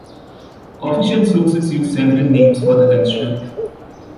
Official sources use several names for the construct.